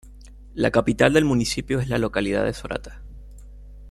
La capital del municipio es la localidad de Sorata.